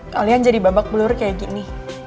kalian jadi babak belur kayak gini